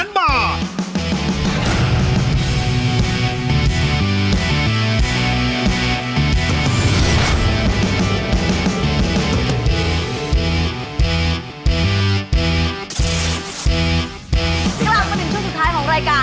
กลับมา๑ชุดสุดท้ายของรายการ